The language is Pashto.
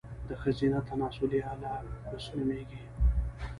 د ښځينه تناسلي اله، کوس نوميږي